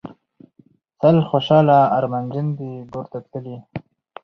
سل خوشحاله ارمانجن دي ګورته تللي